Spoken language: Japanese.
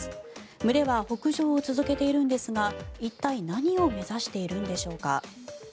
群れは北上を続けているんですが一体、何を目指しているんでしょうか。